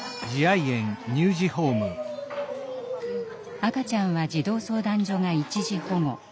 赤ちゃんは児童相談所が一時保護。